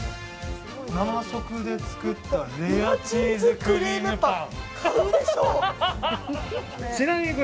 生食で作ったレアチーズクリームパン。